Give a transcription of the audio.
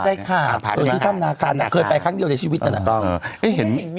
ถ้ามนาการเคยไปครั้งเดียวในชีวิตแต่ละตอน